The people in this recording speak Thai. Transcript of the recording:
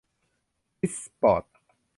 ริช สปอร์ต